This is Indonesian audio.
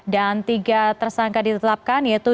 dan tiga tersangka ditetapkan yaitu